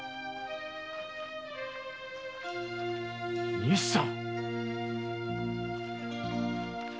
西さん！